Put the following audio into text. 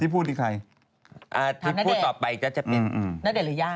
ที่พูดในใครนาเดทที่พูดต่อไปก็จะนาเดทหรือย่า